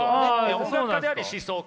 音楽家であり思想家。